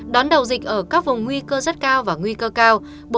đón đầu dịch ở các vùng nguy cơ rất cao và nguy cơ cao